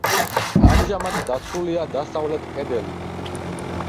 ამჟამად დაცულია დასავლეთი კედელი.